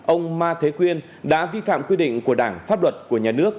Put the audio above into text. ông ma thế quyên đã vi phạm quy định của đảng pháp luật của nhà nước